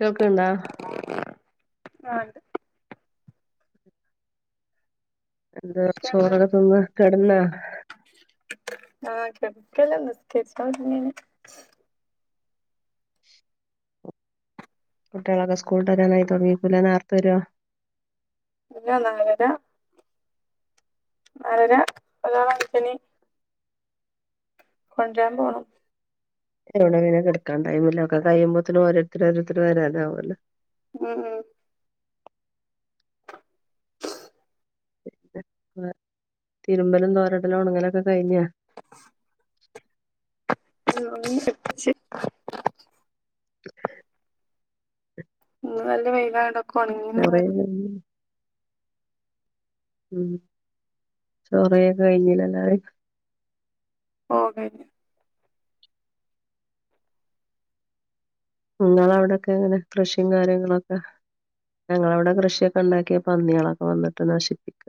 കേൾക്കണ്ടാ ആ ണ്ട് എന്താ എന്തൊക്കെയുണ്ട് ചോറക്ക തിന്ന് കെടന്നാ ക്കല്ല നിസ്കരിക്കാണ്ടെ കുട്ട്യോളൊക്കെ സ്ക്കൂളുട്ടരനായി തുടങ്ങിക്കൂലെ ന്നാർത്തെ വരോ ഇല്ല നാലര [unintelligible] കൊണ്ട്രാൻ പോണം എവിടെങ്ങനെ കിടക്കാ ടൈമില്ല ഒക്കെകയുമ്പോത്തിനു ഓരോരുത്തരു ഓരോരുത്തര് വരാനാവോല്ലോ മ് ഹ് ഹ് തിരുമ്പലും തോരടലും ഒണുങ്ങലൊക്കെ കഴിഞ്ഞാ [inaudible] ന്ന് നല്ല വെയിലായൊണ്ട് ചോറയി ഉം ചോറയിക്കെ കഴിഞ്ഞില്ലല്ലാരും ഓ കഴിഞ്ഞു നിങ്ങള അവിടൊക്കെ എങ്ങനെ കൃഷിയും കാര്യങ്ങളൊക്കെ ഞങ്ങളവിടെ കൃഷിയൊക്കെ ഉണ്ടാക്കിയ പന്നികളൊക്കെ വന്നിട്ട് നശിപ്പിക്ക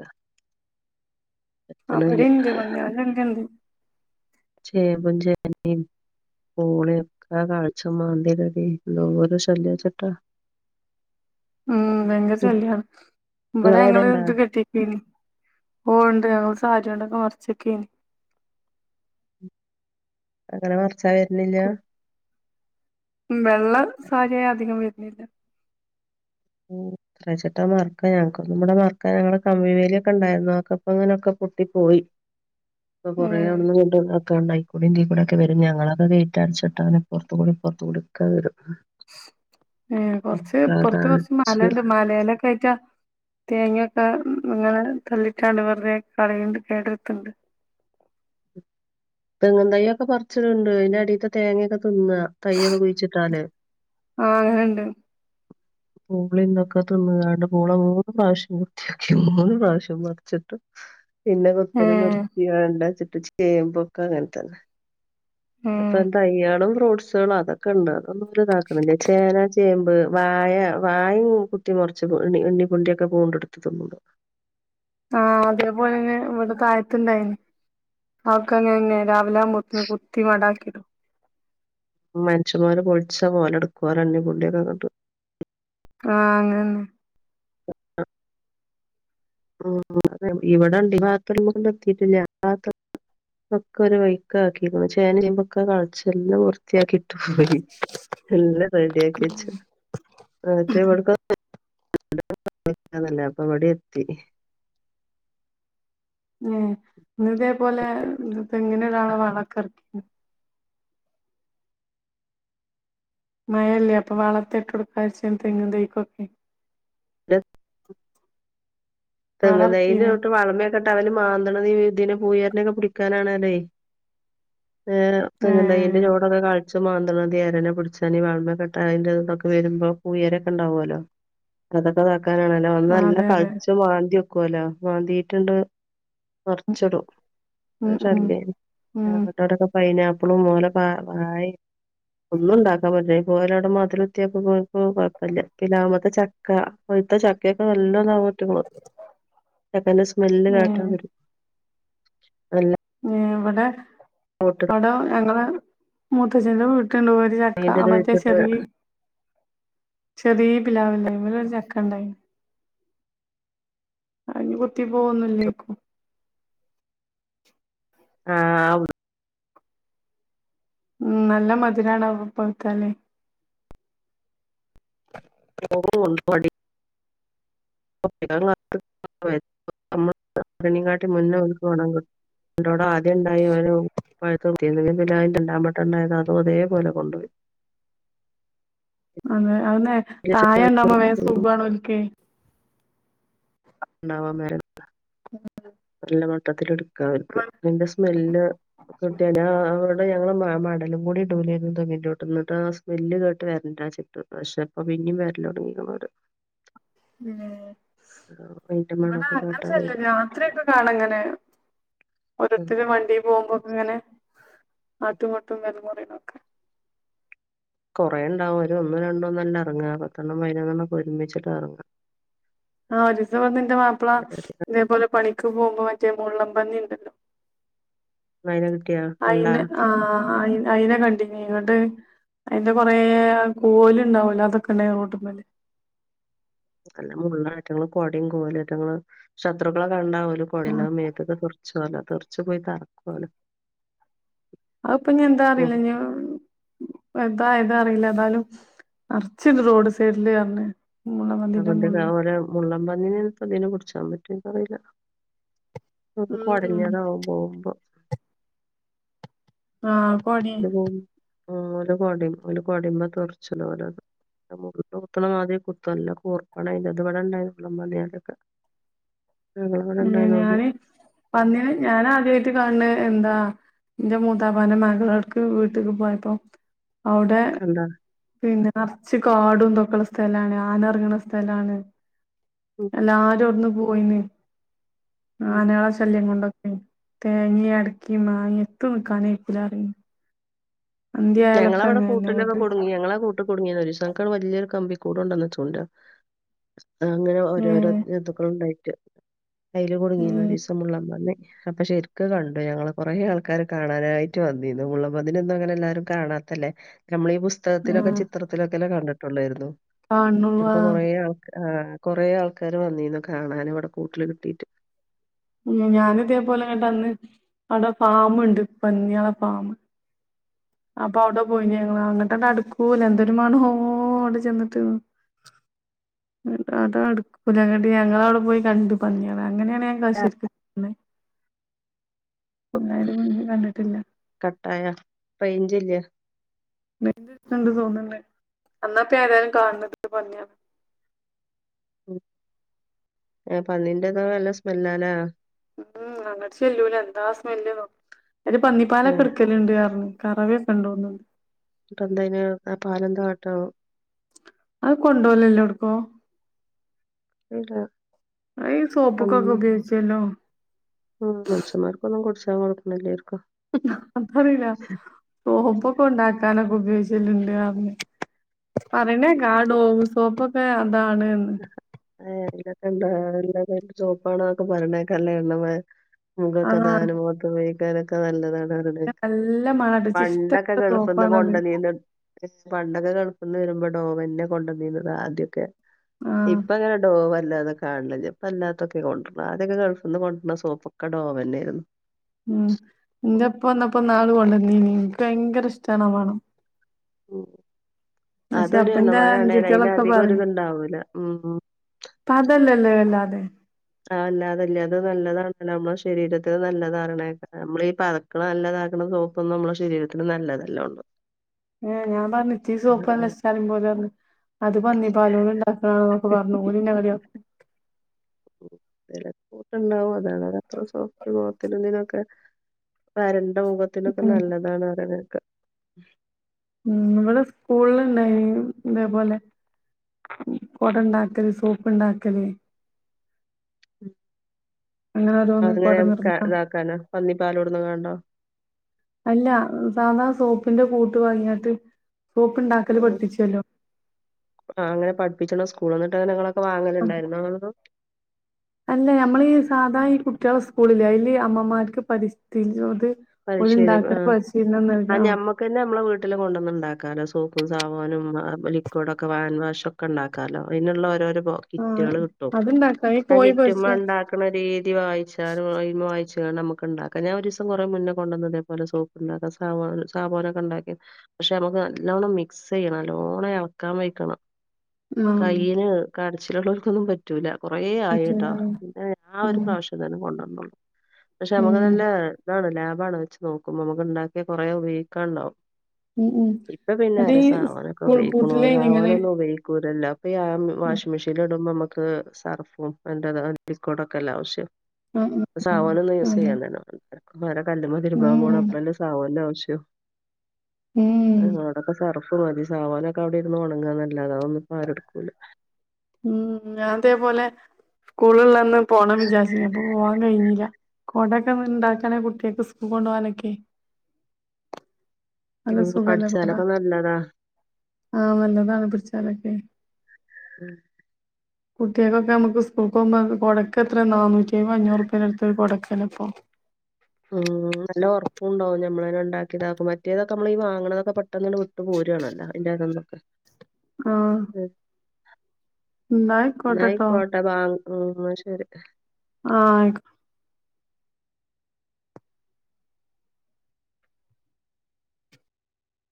ആ ബടീണ്ട് പന്നീളന്നെ ചേമ്പും ചേനേം പൂളയക്കെ കായ്ച്ചു മാന്തി എന്തോ ഒരു ശല്യ ചട്ടാ ഉം ഭയങ്കര ശല്യണ് ഇവിടെ നിങ്ങളവിടെ ഞങ്ങള് ഇണ്ടാ ഇത് കെട്ടിക്കേൻ ഓ ഉണ്ട് ഞങ്ങള് സാരി ണ്ടൊക്കെ മറിച്ചക്കേനി അങ്ങനെ മറച്ച വരുന്നില്ല വെള്ള സാരിആയ അധികം വരുനില്ല ഉ് എ ത്രച്ചിട്ട മർക്ക ഞങ്ങക്കൊന്നു പടെ മർക്ക ഞങ്ങളെ കമ്പിവേലി ഒക്കെ ഉണ്ടായിരുന്നു അതൊക്കപ്പ ങ്ങനൊക്കെ പൊട്ടി പോയി പ്പോ കൊറേ ഉം അവ്ട്ന്നങ്ങട്ട് അതികൂടെ ഇതികൂടെ ഒക്കെ വരും ഞങ്ങള ഗയിറ്റടച്ചിട്ട് അപ്പറതികൂടീം ഇപ്പറത്തികൂടി ഒക്കെ വരും ഉം കൊറച്ച് ഒക്കെ പൊറത്ത് കൊറച്ച് കാണിച്ച് മലുണ്ട് മലയിലക്കെ ആഴട്ടാ തേങ്ങ അ ഇങ്ങനെ തല്ലിട്ടണ്ട് വെറുതെ കളണ്ട് കേട്ടിടതുണ്ട് തെങ്ങും തയ്യ് ഒക്കെ പറച്ചിടുണ്ട് ഇതിന്റെ അടത്തെ തേങ്ങെക്കെ ഇങ്ങ തയ്യക്കെ കുഴിച്ചിട്ടാൽ ആ അങ്ങനെണ്ട് ഗൂഗിളിന്നക്കേ തിന്നുകണ്ട് മോളെ മൂന്ന് പ്രാവശ്യം വിർത്തിയാക്കി മൂന്ന് പ്രാവശ്യം മറിച്ചിട്ട് പിന്നെ കുത്തൽ ഏഹ് നിർത്തി വേണ്ടച്ചിട്ട് ചേമ്പോക്കെ അങ്ങന തന്നെ ഉം അപ്പൊ തയ്യാളും ഫ്രൂട്ട്സുകളും അതൊക്കെ ഉണ്ട് അതൊന്നും ഇതാക്കുന്നില്ല ചേന ചേമ്പ് വായ വായയും കുത്തി മുറിച്ച് എണ്ണിപ്പുണ്ടിയൊക്കെ പൂണ്ടെടുത്ത് തിന്നുണ്ട് ആഹ് അതേപോലെ തന്നെ ഇവിടെ താഴത്തണ്ടായിന് അവക്കങ്ങനെയായിന്ന് ല്ലാം കുത്തി മടാക്കിട മനുഷ്യന്മാര് പൊളിച്ച മോലെടുക്കുവാല് അന്യകൂണ്ടിയൊക്കെ കണ്ട് ആ അങ്ങനെന്നെ ഉം ഇവിടെണ്ട് ഈ ഭാഗതോന്നങ്ങടെത്തിട്ടില്ല ആ ഭാഗത്ത് ഒക്കൊരു വൈക്കാക്കിക്ക്ണ് ചേനിം ചേബെക്കെ കൾച്ചെല്ലാം വൃ വൃത്തിയാക്കിട്ടു പോയി എല്ലാം റെഡി യാക്ക്യച്ച് [unintelligible] [unintelligible] ന്നല്ലേ അപ്പ ഇവടി എത്തി ഉം ഇന്ന് ഇതേപോലെ തെങ്ങിനിടാള്ള വളക്കട്ത്ത് മയല്ലേ അപ്പൊ വളത്തെ ട്ടെട്ക്കാവച്ച് ഞാൻ തെങ്ങും തയ്ക്കൊക്കെ [unintelligible] വളം തെങ്ങും തയ്യിന്റെ ഇറക്കീന് ചോട്ട് വളമെ ക്കെട്ട അവല് മാന്തണതീ ഇതിനെ ഈ പുയലിനെയൊക്കെ പിടിക്കാനാണതേ ഏഹ് തെങ്ങ് ണ്ടായി അയ്ൻ്റെ ഏഹ് ചോടൊക്കെ കാ ച്ച് മാന്ത് മാന്തി എരേനെ പിടിച്ചാ വാമ കെട്ട അതിന്റെ ഇതൊക്കെ വരുമ്പോ പൂയരൊക്കെ ഉണ്ടാവൊല്ലോ അതൊക്കെ താക്കാനാണല്ലോ ഒന്ന് നല്ല അതെ അതെ കടിച്ചു മാന്തി വെക്കുവല്ലോ മാന്തിട്ട്ണ്ട് മറിച്ചിടും ഉം ഉം ശല്യം ഉം ഞങ്ങടവടൊക്കേ പൈനാപ്പ് പ്പളും മൊല പാ ആയ് ഒന്നും ഉണ്ടാക്കാൻ അതെപോലെ അവിടെ മധിലുവൃത്തിയാക്കാൻ പോയപ്പോ കോഴപ്പില്ല പിലാമേലത്തെ ചക്ക ഇത്ത ചക്കൊക്കെ നല്ലതാവ റ്റു ചക്കന്റെ സ്മെല്ല് കേട്ടാ ഏഹ് വരും അൽ എങ് ഇവിടെ അവടെ ഞങ്ങളെ മൂത്തച്ഛന്റെ വീട് [unintelligible] പോര് ചക്ക തേങ്ങേന്റെത് മറ്റേ വെച്ചിട്ട് ചെറിയ ചെറിയ പിലാവില്ലെ അയിമലൊരു ചക്ക ഇണ്ടായിണ്ട് അയിന്നികുത്തി പോവൊന്നില്ലെയിക്കും ആഹ് വ്റ് ഉമ് നല്ല മധുരാണ് [unintelligible] ഓ ഉണ്ട് പടി [unintelligible] മുന്നേ വന്ന് ഒണങ്ങ് [unintelligible] ആന്ന് ആന്നെ താഴ ഉണ്ടാവുമ്പം വേസുഖാണ് ഒർക്കെ ഉണ്ടാവമ്പം എല്ലമട്ടത്തിലെടുക്ക അവർക്ക് ഇതിന്റെ സ്മെല്ല് [unintelligible] ആഹ് ആഹ് ഇവിടെ ഞങ്ങള് മ മടലുകൂടി ഇടുല്ലായിരുന്ന് തെങ്ങിന്റൊട്ടിന്ന് എന്നിട്ട് ആ സ്മെല്ല് കേട്ട് വരണ്ടാച്ചിട്ട് പക്ഷെ ഇപ്പ വീ പിന്നേം വേരല്ല് തുടങ്ങിക്ക്‌ണ് ഒര്‌ ഉമ് ഇവിടെ മണമൊക്കെ അങ്ങനെ കേട്ടാ ശല്യാല്ല വരും രാത്രിയൊക്കെ കാണാ ഇങ്ങനെ ഉം. ഓരോത്തര്‌ വണ്ടീ പോവുമ്പോക്കെ ഇങ്ങനെ ആട്ടും മട്ടും വേലമുറയിലൊക്കെ കുറേ ഉണ്ടാവും ഒരു ഒന്നും രണ്ടോന്നല്ല ഇറങ്ങാർ പത്തെണ്ണം പയിനെഴണ്ണക്കേ ഒരുമിച്ചിട്ടാറങ്ങാ ആഹ് ഒരിസവന്നിന്റെ മാപ്പ്‌ള ഇതേപോലെ പണിക്ക് പോകുമ്പോവ മറ്റ മുള്ളം പന്നി ഉണ്ടല്ലോ അതിനെ കിട്ടിയാ കണ്ടാ അയിന് ആ ആ അയിനെ കണ്ടിനി ഇങ്ങോട്ട് അതിന്റെ കൊറെേ കോല് ഉണ്ടാവലോ അതൊക്കെ ഉണ്ട് റോട്ട്മേല് അല്ല മുള്ളാ ആറ്റങ്ങള് കോടയും കോലാറ്റങ്ങള് ശത്രുക്കളൊക്കെ കണ്ടാവല കൊടേല ആഹ് മേത്തക്കെ തറച്ചുവല്ല തെർച്ച് പോയി തറക്കുവല അപ്പൊ ഞാൻ എന്താ അറിയില്ല ഞ അതായതാ അറിയില്ല എന്നാലും അറച്ചണ്ട് റോഡ് സൈഡില് പറഞ്ഞ അതൊണ്ട് ഓര മുള്ളൻ പന്നിനെപ്പ അതിനെ കുടിച്ചാൻ പറ്റൂ പറയില്ല അത് ഉം കുടഞ്ഞതാവമ്പോമ്പോ ആഹ കോടെ ആ ഓരു കൊടെം ഒരു കൊടെമ്പ തറച്ചനരത് മു കുത്തണ മാതിരി കുത്തല്ല കൂർപ്പണ ഇ അത്വിടെ ഇണ്ടായിത്ള്ള മതിതൊക്കെ ഉ ഞാന് വന്നന് ഞാന ആദ്യ കാണ എന്താ എന്റെ മൂതാബാന്റെെ മകളർക്ക് വീട്ടിലക്ക് പോയപ്പോ അവിടെ കണ്ടാ പിന്നെ നറച്ച കാടും തൊക്കള്ള സ്ഥലമാണ് ആന എറങ്ങണ സ്ഥലാണ് ഉം എല്ലാരും ഒടന്ന് പോയിന്ന് ഉം ആനള ശല്യം കൊണ്ടൊക്കെ മട്ടേ ഇ അടക്കീമ്മ ഇ എത്ത നക്കാനക്കലറി ഞങ്ങള അവിടെ കൂട്ടിലക്കെ ഇങ്ങട്ട് കൊടുങ്ങി ഞങ്ങളെ കൂട്ട തുടങ്ങിയ ഒരു സംട് വലിയൊരു കമ്പിക്കൂട്ണ്ടന്ന ചൂണ്ട അങ്ങനെ ഓരോരോ ഏഹ് ജന്തുക്കള ഉണ്ടായിട്ട് കയ്യില് കുടുങ്ങിന്ന ഏഹ് രീസം മുള്ളംപന്നി അപ്പ ശെരിക്കു കണ്ടു ഞങ്ങള് കൊറേ ആൾക്കാര് കാണാനായിട്ട് വന്നിന്ന് മുള്ളംപന്നീനെന്നും അങ്ങന കാണാത്തല്ലേ നമ്മൾ ഈ പുസ്തകത്തിലൊക്കെ ആഹ് ചിത്രത്തിലൊക്കെല്ലാം കണ്ടിട്ടുള്ളേരുന്നു കാണുള്ളൂ അപ്പോ കൊറേ ആഹ് ആൾക്ക ആ കൊറെേ ആൾക്കാര് വന്നീന്ന് കാണാന് ഇവിടെ കൂട്ടില് കിട്ടീട്ട് ഉ ഞാന്തേപോലെ കേട്ടാ അന്ന് അവിടെ ഫാമുണ്ട് പന്നിയാളെ ഫാം അപ്പൊ അവിടെ പോയിനി ഞങ്ങള് അങ്ങോട്ട അടുക്കൂല എന്തൊരു മണോ അവിടെ ചെന്നിട്ട്ന്ന് അം ട്ടാ അടുക്കൂലങ്കട്ടി ഞങ്ങളവിടെ പോയി കണ്ടു പന്നിയളെ അങ്ങനെയാണ് ഞാങ്ക കുന്നത് മുന്നേ കണ്ടിട്ടില്ല കട്ടായ [inaudible] ജില്ല മെര്ന്ന് അട് ച്ചാണ്ട് തോന്ന്ണ്ട്. അന്നാപ്പ ഏതായാലും കാണ് ണെ പന്ന്യാണ് ഉം ഏഹ് പന്നിന്റെതോ നല്ല സ്മെല്ലാലെ ഉം അങ്ങട്ട് ചെല്ലൂല എന്താ സ്മെല്ല്ന്നോ. അയ്ല് പന്നിപ്പാലൊക്കെ ആഹ് ഇട്ക്കലുണ്ട് കാരഞ്ഞ കറവേൊക്കെണ്ടോന്ന്ണ്ട് ഇപ്പൊ എന്തയ്ന് ആ പാലന്താ കാട്ടാവൊ അത് കൊണ്ടോലല്ലോ ഒട്ക്കും ഇല്ല അഹ് സോപ്പ് ഉം ക്കൊക്കെ ഉപയോഗിച്ചലും ക്കേറിക്കൊ അഹ പറില്ല. സോപ്പൊക്കെ ഉണ്ടാക്കാനൊക്ക് ഉപയോഗിച്ചല്ണ്ട് അറ്ഞ്ഞ്. പറിണേക്ക ആ ഡോവ് സോപ്പൊക്കെ അതാണ്ന്ന് അഹ് എന്താ എന്താ എല്ലും ചുവപ്പാണൊക്കെ പറിണേക്ക അല്ല എണ്ണമയം മുഖക്കഥ ആഹ് അത് അനുമോ ക്കാനൊക്കെ നല്ലതാണ് അവരുടെ [unintelligible] നല്ല മണണ്ട് ഇച്ച് പണ്ടൊക്കെ ഇഷ്ടപ്പെട്ട ഗൾഫ്ന്ന് സോപ്പാണത് കൊണ്ട നീന്ന് പണ്ടൊക്കെ ഗൾഫ്ന്ന് വരുമ്പോ ഡോ വന്നെ കൊണ്ടുവന്നീന്നു ആദ്യെക്കെ ആഹ് ഇപ്പ ഇങ്ങനെ ടോവ അല്ലാതെ കാണില് ഇല്യ. പ്പ അല്ലാത്തൊക്കെ കൊണ്ട്രണ. ആദ്യൊക്കെ ഗൾഫ്ന്ന് കൊണ്ടര സോപ്പൊക്കെ ഡോവന്നെയായിരുന്നു മ് എന്റെപ്പന്നപ്പോ ന്നാൾ കൊണ്ടന്നീനി നിക്ക് ഭയങ്കര ഇഷ്ടമാണ മണം. ഉം പക്ഷെ അതൊരു അപ്പന്റെ എണ്ണമയാണേല് അയ്ന്റെ അനുജത്തിയാളൊക്കെ അധികം ഒരിതുണ്ടാവൂല ഉം ഉം പതല്ലല്ലോ വല്ലാതെ ആഹ് അല്ലാതെ ഇല്ലേ അതും നല്ലതാ നമ്മളെ ശരീരത്തിന് നല്ലതാർണെക്ക നമ്മളീഈ പതക്കണ നല്ലതാക്കുന്ന സോപ്പൊന്നും നമ്മളെ ശരീരത്തിന് നല്ല അതെല്ലോണ്ട്. ഏഹ് ഞാൻ പറഞ്ഞി ച്ചീ സോപ്പ് അല്ല ഇഷ്ട്ടറിം പോലെ അത് പന്നിപ്പാലോണ്ട്ണ്ടാക്കണന്നൊക്കെ പറഞ്ഞു ഓൽന്നെ കളിയാ വിലക്കുട്ടണ്ടാവും അതാണ് അതത്ര സോഫ്റ്റ് നോക്കലന്നിനൊക്കെ [unintelligible] മുഖത്തിനൊക്കെ ഉം നല്ലതാണ് റിണേക്കാ മ് നമ്മളെ സ്കൂളിൽണ്ടായി ഇതേപോലെ. കുടണ്ടാക്കല് സോപ്പ്ണ്ടാക്കല് അങ്ങനെ ഓരോന്ന് കൊട അതിനെയൊക്ക നിർമ്മാണം ഇതാക്കാന പന്നിപ്പാലോടുന്ന്കാണ്ടോ? അല്ല സാധാ സോപ്പിന്റെ കൂട്ട് വാങ്യട്ട് സോപ്പ്ണ്ടാക്കല് പഠപ്പിച്ചല്ലോ ആ അങ്ങനെ പഠപ്പിച്ചണസ്കൂളോ ന്നിട്ടങ്ങനങ്ങളൊെക്കെ വാങ്ങലുണ്ടായിരുന്നോ [unintelligible] അല്ല നമ്മളീ സാധാ ഈ കുട്ട്യാളെ സ്കൂളില് അയ്ല് അമ്മമാർക്ക് പരിസ്ഥിതിയോട് അത്ശരി ആ ആ ആഹ് ഞമ്മക്കന്നെ ഞമ്മളെ വീട്ടില് കൊണ്ടന്ന്ണ്ടാക്ക കാലം സോപ്പും സാവോനും ആ ലിക്കിഡൊക്കെ ആൻവാഷക്കെണ്ടാക്കാലോ അയ്നുള്ള ഓരോരോ ആഹ് കിറ്റുകൾ കിട്ടും അത്ണ്ടാക്കാ ഈ ആ കോഴി പൊരിച്ച കിറ്റ്മ്മണ്ടാക്കണ രീതി വായിച്ചാല അയ്മ വായി നമുണ്ടാക്ക ഞാനൊരിസം കുറെ മുന്ന കൊണ്ടന്ന് ഇതേപോലെ സോപ്പ്ണ്ടാക്ക സാവോന് സാവോനൊക്കെണ്ടാക്കി പക്ഷെ നമ്മുക്കല്ലോണ്ണം മിക്സയ്യണ്ണം ല്ലോ തോനെ എളക്കാൻ വഴ്ക്കണം ആഹ് കൈയ്യ്ന്കടച്ചില്ള്ളോൽക്കൊന്നും പറ്റൂല. കൊറെ ആയിട്ടാ പറ്റൂലല്ലേ പിന്നെ ആ ഒരു ഉം പ്രാവശ്യത്തന്നേ കൊണ്ടന്നള്ളോ പക്ഷെ നമ്മക്ക് ഉം നല്ല ഇതാണ് ലാഭാണ് വെച്ച് നോക്കുമ്പ നമുക്ക് ഇണ്ടാക്കിയ കൊറെ ഉപയോഗിക്കാണ്ടാവും. ഉം ഉം ഇപ്പ പിന്നെ അത് ആരാ ഈ സാവാനൊക്കെ സ്കൂൾ ഉപയോഗിക്കണു പൂട്ടില് നിങ്ങള് സാവോനൊന്നും ഉപയോഗിക്കൂല്ലല്ലോ. ഇപ്പ ആ വാഷിമെഷീനിലിടുമ്പോ നമ്മക്ക് സർഫും അന്റെ ലിക്ക് ടുംക്കെല്ലെ ആവശ്യം. ആഹ് പ്പം ആഹ് സാബൂനൊന്നും യൂസ് അതെ ചെയ്യണ്ടല്ലേ ഇപ്പം ആരാകല്ല് മ്മതിരുമ്പാ ഉം പ്പോ ണേ ഉം അപ്പളല്ലെ സാബൂന്റെ ആവശ്യം ഉം ങ്ങളോടൊക്കെ സറ മതി സാവോനൊക്കെവിടെ ഇര്ന്ന് ഉണങ്ങാന്നല്ലാതെ അന്നും ആരുട്ക്കുല മ് ഞാൻതേപോലെ സ്കൂൾള്ളന്ന് പോണം വിചാരച്ചീനി അപ്പൊ പോവാൻ കഴിഞ്ഞില്ല. കോടൊക്കെ ഇണ്ടാക്കാണെ കുട്ട്യക്ക് സ്കൂൾ ക്ക്ക്കൊണ്ടാനൊക്കെ. നല്ല ഉം, സുഖല്ല കൊട പഠിച്ചാലൊക്കെ നല്ലതാ ആ നല്ലതാണ് പിടിച്ചാലൊക്കെ. മ് കുട്ടികൾക്കൊക്കെ നമുക്ക് സ്കൂൾക്കോകുമ്പ കൊടക്കത്ര നന്നൂറ്റിയമ്പോ അഞ്ഞൂറുപ്യന്റെടുത്ത ഒരു കൊടക്കെന്നപ്പൊ മ്. നല്ല ഒറപ്പുണ്ടാവും നമ്മളന്നെണ്ടാക്കിയതാകു മറ്റേതൊക്കെ നമ്മളീ വാങ്ങണതൊക്കെ പെട്ടെന്നൊക്കെ വിട്ട് പോരാണല്ലോ. [unintelligible] ആ. ന്നയിക്കോട്ടാ ബാ ഉ ശരി. ആ അയ്.